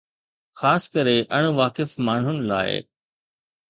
خاص ڪري اڻ واقف ماڻهن لاءِ